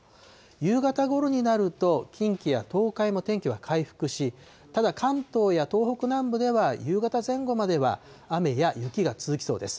夕方ごろになると近畿や東海も天気は回復し、ただ関東や東北南部では夕方前後までは雨や雪が続きそうです。